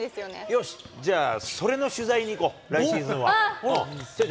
よしっ、じゃあ、それの取材に行こう、来シーズンは。